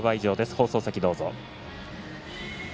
放送席、どうぞ。